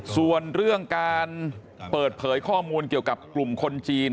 ส่วนเรื่องการเปิดเผยข้อมูลเกี่ยวกับกลุ่มคนจีน